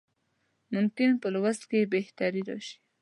ممکن په لوست کې یې بهتري راشي.